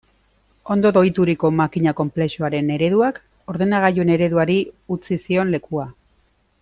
Ondo doituriko makina konplexuaren ereduak ordenagailuen ereduari utzi zion lekua.